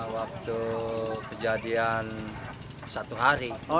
waktu kejadian satu hari